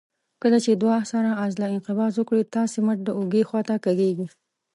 کله چې دوه سره عضله انقباض وکړي تاسې مټ د اوږې خواته کږېږي.